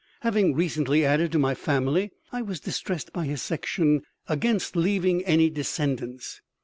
Having recently added to my family, I was distressed by his section "Against Leaving Any Descendants."